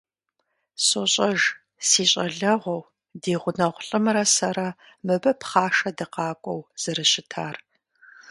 СощӀэж си щӀалэгъуэу ди гъунэгъу лӀымрэ сэрэ мыбы пхъашэ дыкъакӀуэу зэрыщытар.